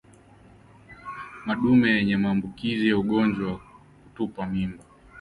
Madume yenye maambukizi ya ugonjwa wa kutupa mimba